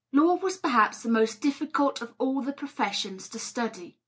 Law was perhaps the most difficult of all the professions to study.